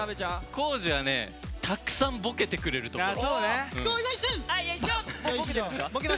康二はねたくさんボケてくれるところ。